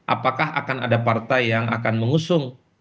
apakah akan ada partai yang akan mengusung